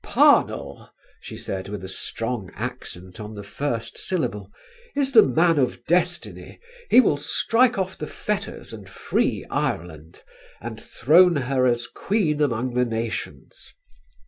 "Parnell," she said with a strong accent on the first syllable, "is the man of destiny; he will strike off the fetters and free Ireland, and throne her as Queen among the nations."